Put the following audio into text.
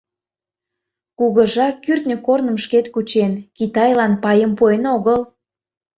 Кугыжа кӱртньӧ корным шкет кучен, Китайлан пайым пуэн огыл.